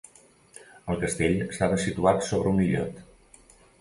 El castell estava situat sobre un illot.